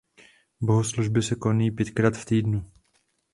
Bohoslužby se konají pětkrát v týdnu.